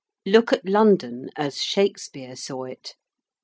Look at London as Shakespeare saw it.